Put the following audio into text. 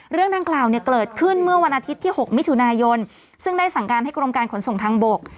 เรื่องดังกล่าวเนี่ยเกิดขึ้นเมื่อวันอาทิตย์ที่๖มิถุนายนซึ่งได้สั่งการให้กรมการขนส่งทางบก